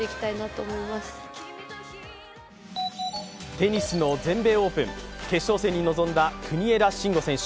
テニスの全米オープン、決勝戦に臨んだ国枝慎吾選手。